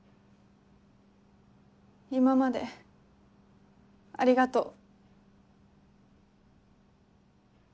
今までありがとう。